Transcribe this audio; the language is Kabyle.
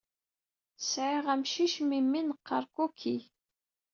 Sɛiɣ amcic mimi neqqar Cookie.